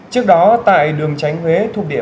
trước đó tại đường tránh huế